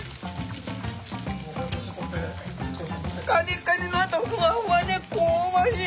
カリカリのあとフワフワで香ばしい。